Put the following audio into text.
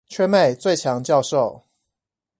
全美最強教授